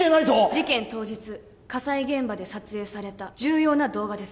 事件当日火災現場で撮影された重要な動画です